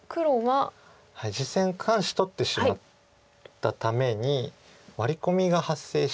実戦３子取ってしまったためにワリコミが発生して。